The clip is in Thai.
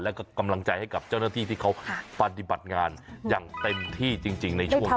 แล้วก็กำลังใจให้กับเจ้าหน้าที่ที่เขาปฏิบัติงานอย่างเต็มที่จริงในช่วงนี้